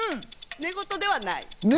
寝言ではない。